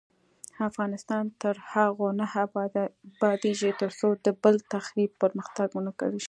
افغانستان تر هغو نه ابادیږي، ترڅو د بل تخریب پرمختګ ونه ګڼل شي.